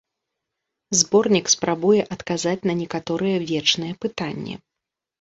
Зборнік спрабуе адказаць на некаторыя вечныя пытанні.